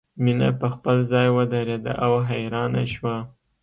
مینه په خپل ځای ودریده او حیرانه شوه